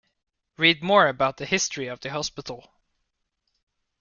Read more about the history of the hospital.